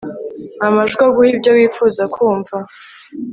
Amajwi aguha ibyo wifuza kumva